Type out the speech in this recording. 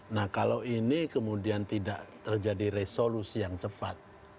nah kalau ini kemudian tidak terjadi resolusi yang cepat